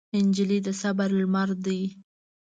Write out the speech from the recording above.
نجلۍ د صبر لمر ده.